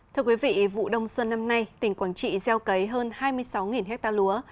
thưa quý vị vụ đông xuân năm nay tỉnh quảng trị gieo cấy hơn hai mươi sáu ha lúa